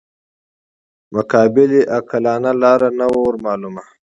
مقابلې عاقلانه لاره نه وه ورمعلومه.